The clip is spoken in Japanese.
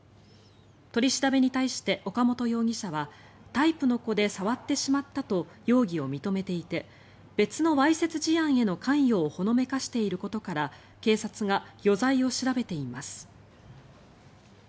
取り調べに対して岡本容疑者は「タイプの子で触ってしまった」と容疑を認めていて別のわいせつ事案への関与をほのめかしていることから警察が余罪を調べています。